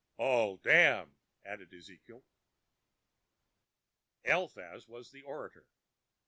"All damned," added Ezekiel. Eliphaz was the orator.